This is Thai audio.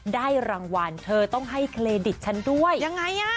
ได้รางวัลเธอต้องให้เครดิตฉันด้วยยังไงอ่ะ